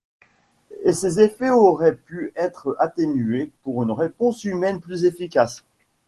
Et ses effets auraient pu être atténués par une réponse humaine plus efficace.